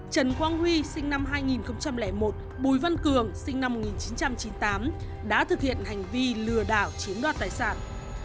trần quang huy sinh năm hai nghìn một bùi văn cường sinh năm một nghìn chín trăm chín mươi tám đã thực hiện hành vi lừa đảo chiếm đoạt tài sản